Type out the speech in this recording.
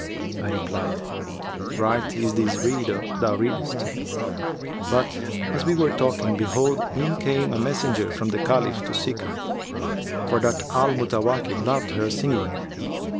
I replied, 'Right is this rede thou redest;' but, as we were talking, behold, in came a messenger from the Caliph to seek her, for that Al Mutawakkil loved her singing.